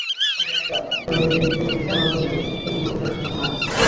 তারই জের ধরে নাসিমা আত্মহত্যা করে থাকতে পারেন বলে রেশমা ধারণা করছেন।